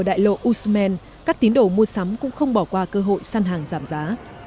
đại lộ usmen các tín đồ mua sắm cũng không bỏ qua cơ hội săn hàng giảm giá